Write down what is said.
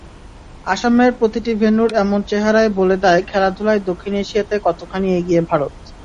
আসামের প্রতিটি ভেন্যুর এমন চেহারাই বলে দেয় খেলাধুলায় দক্ষিণ এশিয়াতে কতখানি এগিয়ে ভারত।